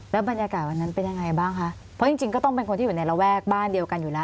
บรรยากาศวันนั้นเป็นยังไงบ้างคะเพราะจริงจริงก็ต้องเป็นคนที่อยู่ในระแวกบ้านเดียวกันอยู่แล้ว